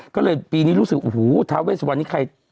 ก็เลยปีนี้รู้สึกว่าอุ้ยเท้าเวชสุวรรณนี้ใคร